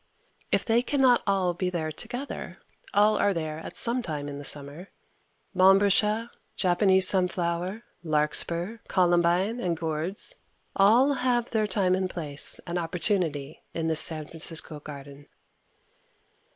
If they can not all be there together, all are there at some time in the summer. Montbretia, Japanese sunflower, larkspur, columbine and gourds all have their time and place and opportunity in this San Francisco garden.